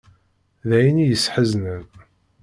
D ayen i y-issḥeznen.